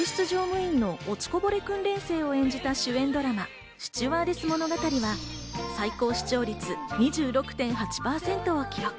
客室乗務員の落ちこぼれ訓練生を演じた主演ドラマ『スチュワーデス物語』が最高視聴率２６．８％を記録。